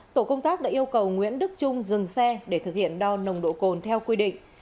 tổ công tác đã yêu cầu nguyễn đức trung dừng xe để thực hiện đo nồng độ cồn theo quy định